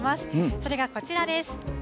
それがこちらです。